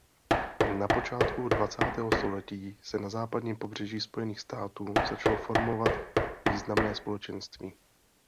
Na počátku dvacátého století se na západním pobřeží Spojených států začalo formovat významné společenství.